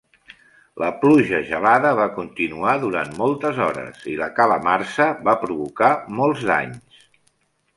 La pluja gelada va continuar durant moltes hores i la calamarsa va provocar molts danys.